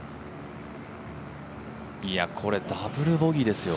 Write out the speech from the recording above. これ、ダブルボギーですよ。